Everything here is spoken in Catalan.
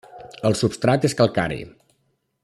El substrat és calcari.